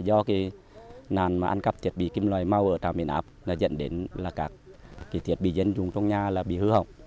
do nàn ăn cắp thiết bị kim loại mau ở trạm biến áp dẫn đến các thiết bị dân dùng trong nhà bị hư hỏng